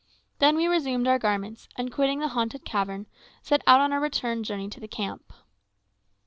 Then we resumed our garments, and quitting the haunted cavern, set out on our return journey to the camp.